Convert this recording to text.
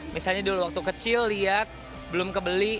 misalnya dulu waktu kecil lihat belum kebeli